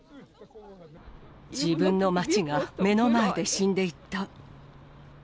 自分の街が目の前で死んでいった。